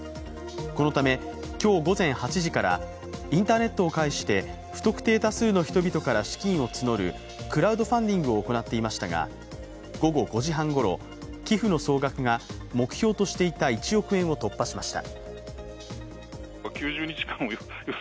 このため、今日午前８時からインターネットを介して不特定多数の人々から資金を募るクラウドファンディングを行っていましたが午後５時半ごろ、寄付の総額が目標としていた１億円を突破しました。